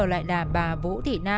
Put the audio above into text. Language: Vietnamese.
lại là bà vũ thị na